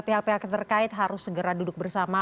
pihak pihak terkait harus segera duduk bersama